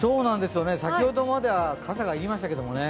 先ほどまでは傘が要りましたけどね。